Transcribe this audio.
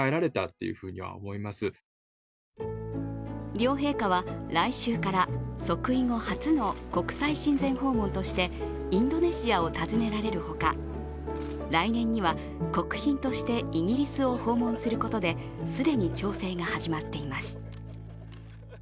両陛下は来週から即位後初の国際親善訪問としてインドネシアを訪ねられるほか、来年には国賓としてイギリスを訪問することで既に調整が始まっています。